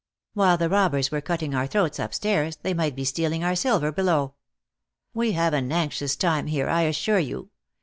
While the robbers were cutting our throats up stairs, they might be stealing our silver be low. We have an anxious time here, I assure you.